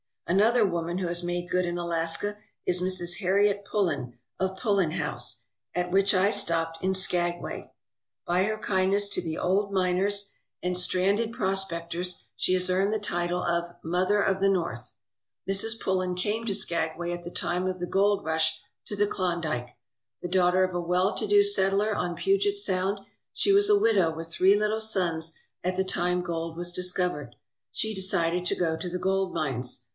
Another woman who has made good in Alaska is Mrs. Harriet Pullen of Pullen House, at which I stopped in Skagway. By her kindness to the old miners and stranded 304 WOMEN ON AMERICA'S LAST FRONTIER prospectors she has earned the title of "Mother of the North." Mrs. Pullen came to Skagway at the time of the gold rush to the Klondike. The daughter of a well to do settler on Puget Sound, she was a widow with three little sons at the time gold was discovered. She decided to go to the gold mines.